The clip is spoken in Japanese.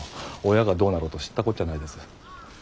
親がどうなろうと知ったこっちゃないです。